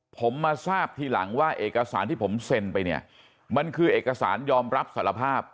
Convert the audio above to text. ผมมาทราบทีหลังว่าเอกสารที่ผมเซ็นไปเนี่ยมันคือเอกสารยอมรับสารภาพ